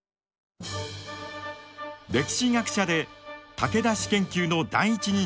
歴史学者で武田氏研究の第一人者平山優さん。